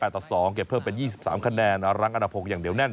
จะเพิ่มเป็น๒๓คะแนนรังอันดับ๖อย่างเดี๋ยวแน่น